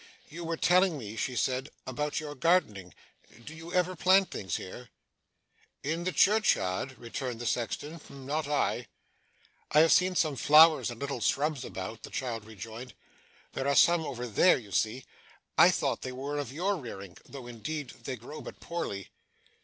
'You were telling me,' she said, 'about your gardening. Do you ever plant things here?' 'In the churchyard?' returned the sexton, 'Not I.' 'I have seen some flowers and little shrubs about,' the child rejoined; 'there are some over there, you see. I thought they were of your rearing, though indeed they grow but poorly.